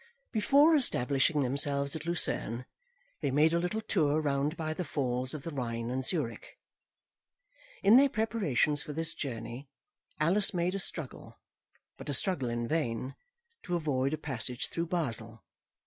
Before establishing themselves at Lucerne they made a little tour round by the Falls of the Rhine and Zurich. In their preparations for this journey, Alice made a struggle, but a struggle in vain, to avoid a passage through Basle.